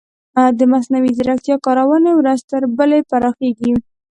د مصنوعي ځیرکتیا کارونې ورځ تر بلې پراخیږي.